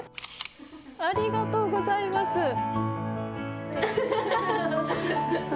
ありがとうございます。